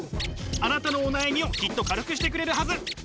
あなたのお悩みをきっと軽くしてくれるはず。